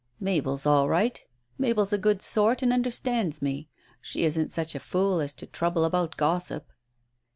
"Mabel is all right. Mabel's a good sort, and under stands me. She isn't such a fool as to trouble about gossip."